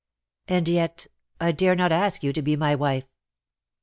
''And yet I dare not ask you to be my wife.